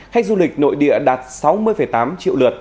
khách du lịch nội địa đạt sáu mươi tám triệu lượt